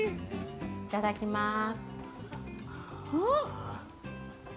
いただきます！